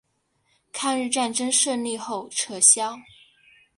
抗日战争胜利后撤销。